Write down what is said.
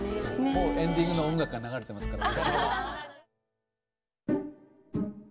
もうエンディングの音楽が流れてますから。